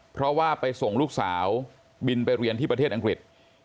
เพราะว่าไปส่งลูกสาวบินไปเรียนที่ประเทศอังกฤษ